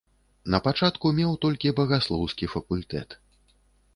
Напачатку меў толькі багаслоўскі факультэт.